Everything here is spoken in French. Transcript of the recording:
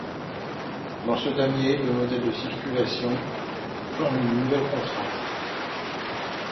Dans ce damier, un modèle de circulation forme une nouvelle contrainte.